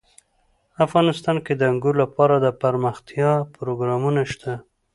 افغانستان کې د انګور لپاره دپرمختیا پروګرامونه شته.